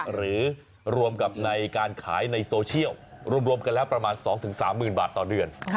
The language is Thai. หรือรวมกับในการขายในโซเชียลรวมกันแล้วประมาณ๒๓๐๐๐บาทต่อเดือน